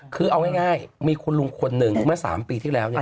คือเอาง่ายมีคุณลุงคนหนึ่งมา๓ปีที่แล้ว